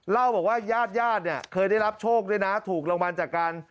เล่าบอกว่าญาติเคยได้รับโชคด้วยนะถูกรองมันจากการ